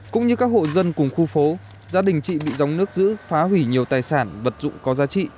cũng như các hộ dân cùng khu phố gia đình chị bị gióng nước giữ phá hủy nhiều tài sản vật dụng có giá trị